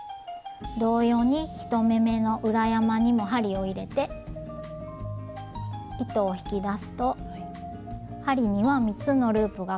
同様に１目めの裏山にも針を入れて糸を引き出すと針には３つのループがかかった状態になります。